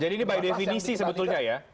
jadi ini by definisi sebetulnya ya